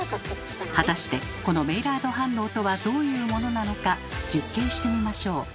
果たしてこのメイラード反応とはどういうものなのか実験してみましょう。